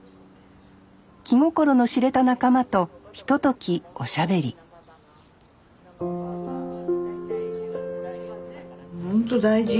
気心の知れた仲間とひとときおしゃべりほんと大事。